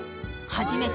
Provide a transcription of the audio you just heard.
初めて。